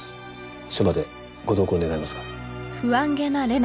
署までご同行願えますか？